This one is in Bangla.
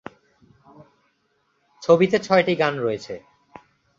ছবিতে ছয়টি গান রয়েছে।